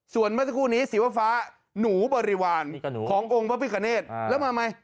ส่วนเมื่อสักครู่นี้สีฟ้าหนูบริวารขององค์พระพิกาเนธแล้วมาไหม